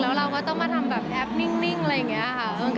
แล้วเราก็ต้องมาทำแบบแอปนิ่งอะไรอย่างนี้ค่ะ